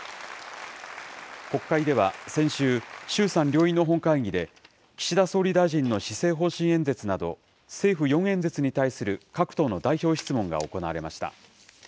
国会では先週、衆参両院の本会議で、岸田総理大臣の施政方針演説など、政府４演説に対する各党の代表質問が行われました。